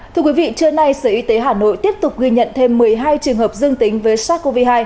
thưa quý vị trưa nay sở y tế hà nội tiếp tục ghi nhận thêm một mươi hai trường hợp dương tính với sars cov hai